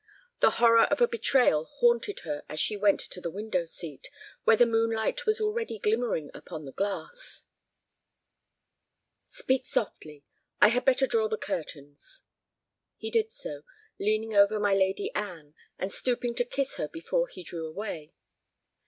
The horror of a betrayal haunted her as she went to the window seat, where the moonlight was already glimmering upon the glass. "Speak softly. I had better draw the curtains." He did so, leaning over my Lady Anne, and stooping to kiss her before he drew away.